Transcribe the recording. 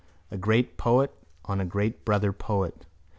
A great poet on a great brother poet.